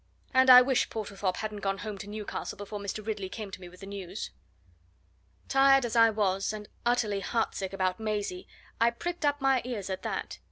And I wish Portlethorpe hadn't gone home to Newcastle before Mr. Ridley came to me with the news." Tired as I was, and utterly heart sick about Maisie, I pricked up my ears at that.